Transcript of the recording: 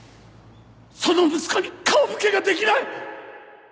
その息子に顔向けができない！